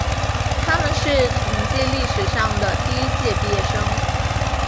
他们是同济历史上的第一届毕业生。